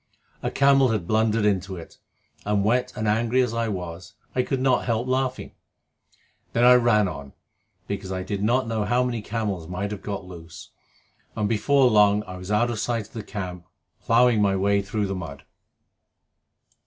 A camel had blundered into it, and wet and angry as I was, I could not help laughing. Then I ran on, because I did not know how many camels might have got loose, and before long I was out of sight of the camp, plowing my way through the mud.